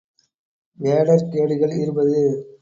வேடர் கேடுகள் இருபது.